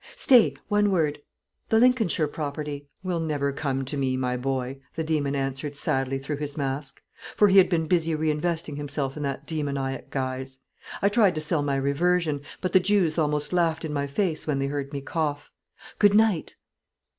"Stay; one word. The Lincolnshire property " "Will never come to me, my boy," the demon answered sadly, through his mask; for he had been busy re investing himself in that demoniac guise. "I tried to sell my reversion, but the Jews almost laughed in my face when they heard me cough. Good night."